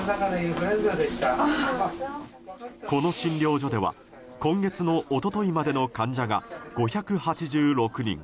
この診療所では今月の一昨日までの患者が５８６人。